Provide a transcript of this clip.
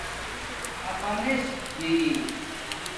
اپانس دری